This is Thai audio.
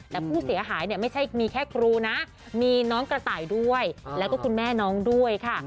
แต่ผู้เสียหายเนี่ยไม่ใช่มีแค่ครูนะมีน้องกระต่ายด้วยแล้วก็คุณแม่น้องด้วยค่ะ